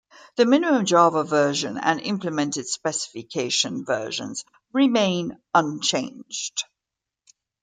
The minimum Java version and implemented specification versions remain unchanged.